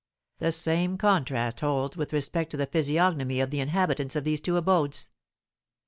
The same contrast holds with respect to the physiognomy of the inhabitants of these two abodes.